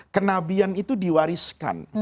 kenabian itu diwariskan